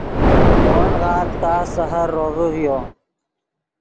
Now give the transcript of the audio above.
اے ون غالڤ تا سحر روڤے ڤیو